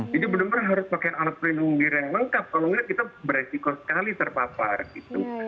jadi benar benar harus pakai alat perlindungan yang lengkap kalau nggak kita beresiko sekali terpapar gitu